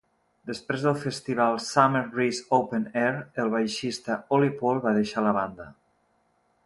Després del festival Summer Breeze Open Air, el baixista Olli Pohl va deixar la banda.